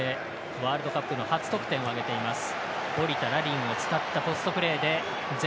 ワールドカップの初得点を挙げています。